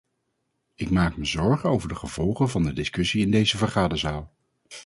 Ik maak me zorgen over de gevolgen van de discussie in deze vergaderzaal.